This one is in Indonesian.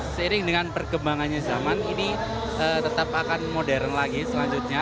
seiring dengan perkembangannya zaman ini tetap akan modern lagi selanjutnya